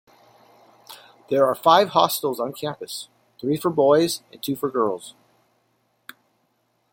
There are five hostels on campus, three for boys and two for girls.